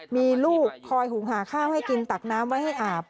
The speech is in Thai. มีลูกคอยหุงหาข้าวให้กินตักน้ำไว้ให้อาบ